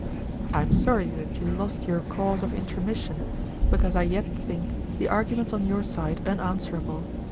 'I am sorry that you lost your cause of Intromission, because I yet think the arguments on your side unanswerable.